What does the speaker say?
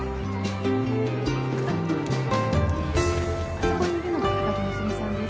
あそこにいるのが高木和希ちゃんです。